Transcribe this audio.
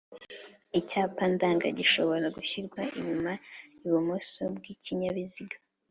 icyapa ndanga gishobora gushyirwa inyuma ibumoso bw'ikinyabiziga.